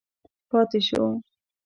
پاتې شو.